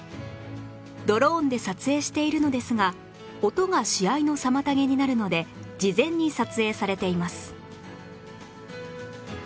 ドローンで撮影しているのですが音が試合の妨げになるので事前に撮影されています